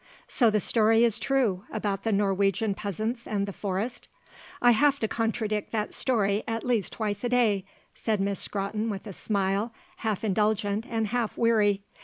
"So the story is true, about the Norwegian peasants and the forest?" "I have to contradict that story at least twice a day," said Miss Scrotton with a smile half indulgent and half weary.